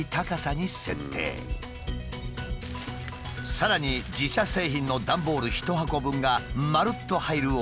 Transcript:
さらに自社製品の段ボール１箱分がまるっと入る大きさにした。